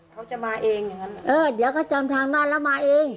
เขาจะมาเองอย่างนั้นเออเดี๋ยวเขาจำทางด้านแล้วมาเอง